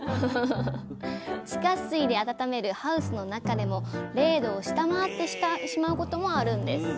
地下水で暖めるハウスの中でも０℃を下回ってしまうこともあるんです。